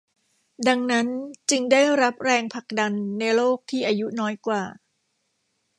ดังนั้นจึงได้รับแรงผลักดันในโลกที่อายุน้อยกว่า